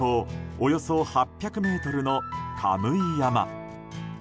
およそ８００ｍの神居山。